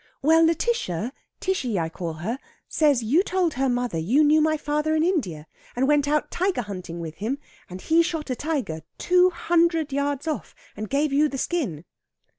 "Well, Lætitia (Tishy, I call her) says you told her mother you knew my father in India, and went out tiger hunting with him, and he shot a tiger two hundred yards off and gave you the skin."